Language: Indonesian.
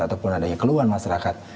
ataupun adanya keluhan masyarakat